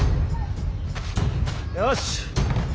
よし！